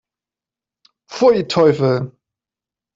Pfui, Teufel!